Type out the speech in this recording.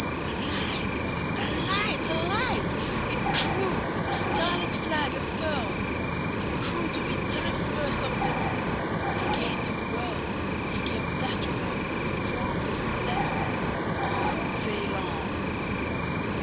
A light! A light! A light! It grew, a starlit flag unfurled! It grew to be Time's burst of dawn. He gained a world; he gave that worldIts grandest lesson: "On! sail on!"